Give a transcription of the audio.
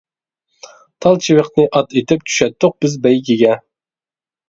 تال چىۋىقنى ئات ئېتىپ، چۈشەتتۇق بىز بەيگىگە.